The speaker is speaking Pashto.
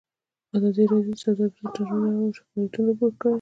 ازادي راډیو د سوداګریز تړونونه اړوند شکایتونه راپور کړي.